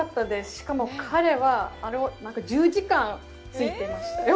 しかも、彼はあれを１０時間、搗いてましたよ。